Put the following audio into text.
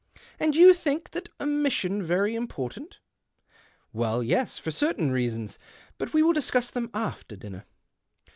" And you think that omission very impor tant ?"" Well, yes, for certain reasons. But we ivill discuss them after dinner."